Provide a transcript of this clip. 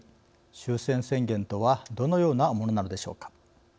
終戦宣言とはどのようなものなのでしょうか。